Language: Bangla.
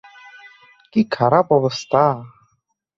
কি খারাপ অবস্থা!